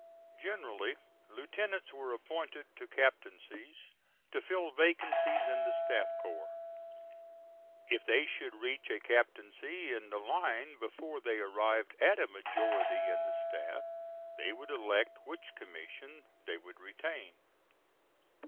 Generally lieutenants were appointed to captaincies to fill vacancies in the staff corps. If they should reach a captaincy in the line before they arrived at a majority in the staff, they would elect which commission they would retain.